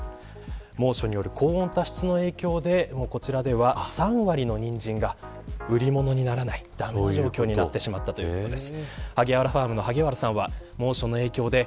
猛暑による高温多湿の影響でこちらでは３割のニンジンが売り物にならないという状況になったそうです。